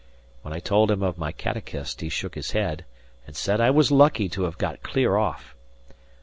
When I told him of my catechist, he shook his head, and said I was lucky to have got clear off.